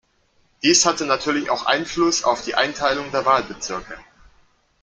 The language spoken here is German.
Dies hatte natürlich auch Einfluss auf die Einteilung der Wahlbezirke.